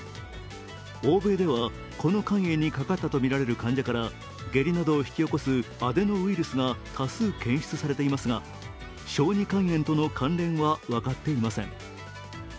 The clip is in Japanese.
欧米ではこの肝炎にかかったとみられる患者から下痢などを引き起こすアデノウイルスか多数検出されていますが小児肝炎との関連は分かっていません。